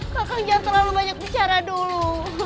bahkan jangan terlalu banyak bicara dulu